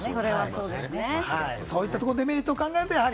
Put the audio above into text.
そういったメリット、デメリットを考えると。